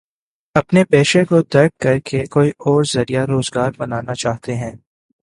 اپنے پیشے کو ترک کر کے کوئی اور ذریعہ روزگار بنانا چاہتے ہیں؟